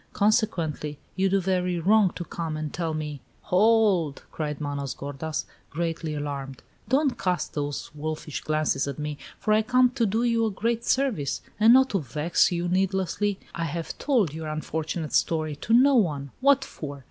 Consequently, you do very wrong to come and tell me " "Hold!" cried Manos gordas, greatly alarmed. "Don't cast those wolfish glances at me, for I come to do you a great service, and not to vex you needlessly. I have told your unfortunate story to no one. What for?